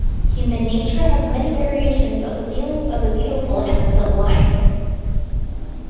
Human nature has many variations of the feelings of the beautiful and the sublime.